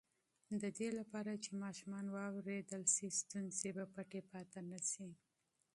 د دې لپاره چې ماشومان واورېدل شي، ستونزې به پټې پاتې نه شي.